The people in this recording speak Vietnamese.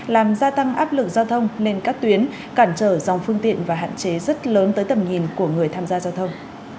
làm gia tăng áp lực giao thông lên các tuyến cản trở dòng phương tiện và hạn chế rất lớn tới tầm nhìn của người tham gia giao thông